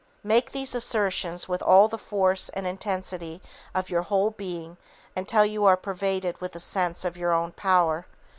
Make these assertions with all the force and intensity of your whole being until you are pervaded with a sense of your own power.